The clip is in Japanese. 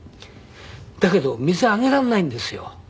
だけど水あげられないんですよ。